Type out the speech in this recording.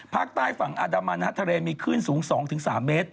ภาคใต้ฝั่งอาดามันนะครับทะเลมีขึ้นสูง๒๓เมตร